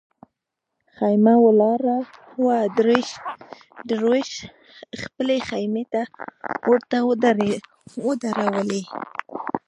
خېمه ولاړه وه دروېش خپلې خېمې ورته ودرولې.